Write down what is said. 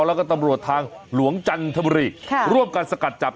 แล้วก็ตำรวจทางหลวงจันทบุรีร่วมกันสกัดจับ